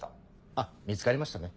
あっ見つかりましたね。